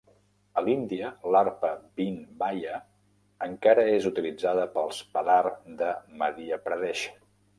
A l'Índia, l'arpa "bin-baia" encara és utilitzada pels Padhar de Madhya Pradesh.